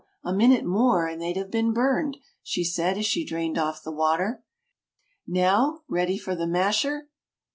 A minute more, and they'd have been burned!" she said as she drained off the water. "Now, ready for the masher!"